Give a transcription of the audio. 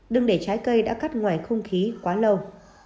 đừng để trái cây đã cắt ngoài không khí quá lâu